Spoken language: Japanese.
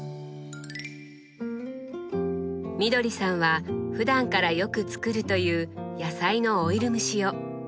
みどりさんはふだんからよく作るという野菜のオイル蒸しを。